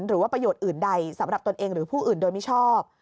หรือว่าประโยชน์อื่นใดสำหรับตนเองหรือผู้อื่นโดยมิชอบ